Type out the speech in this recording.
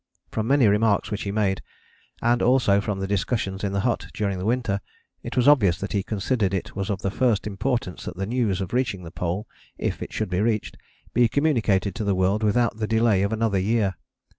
From many remarks which he made, and also from the discussions in the hut during the winter, it was obvious that he considered it was of the first importance that the news of reaching the Pole, if it should be reached, be communicated to the world without the delay of another year.